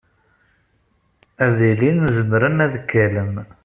Ad ilin zemren ad k-allen.